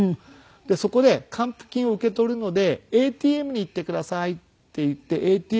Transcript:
でそこで「還付金を受け取るのでＡＴＭに行ってください」って言ってＡＴＭの方に。